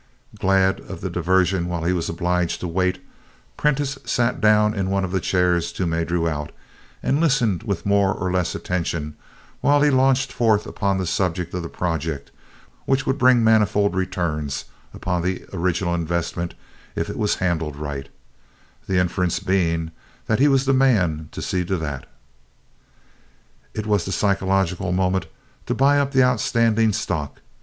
Glad of the diversion while he was obliged to wait, Prentiss sat down in one of the chairs Toomey drew out and listened with more or less attention while he launched forth upon the subject of the project which would bring manifold returns upon the original investment if it was handled right the inference being that he was the man to see to that. It was the psychological moment to buy up the outstanding stock.